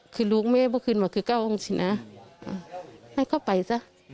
คือลูกเม่เมื่อคืนคือเก้าองค์ชินะให้เข้าไปซะ